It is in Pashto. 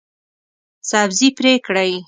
سبزي پرې کړئ